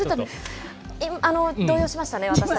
動揺しましたね。